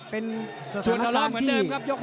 เป็นสถานการณ์ที่